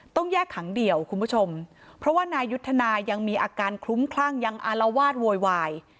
ต้องแยกขังเดี่ยวคุณผู้ชมเพราะว่านายุทธนายังมีอาการคลุ้มคลั่งยังอารวาสโวยวาย